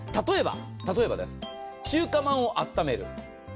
例えば中華まんを温める。